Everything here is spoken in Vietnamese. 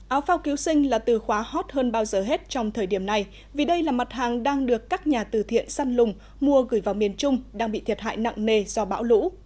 áo phao cứu sinh là từ khóa hot hơn bao giờ hết trong thời điểm này vì đây là mặt hàng đang được các nhà từ thiện săn lùng mua gửi vào miền trung đang bị thiệt hại nặng nề do bão lũ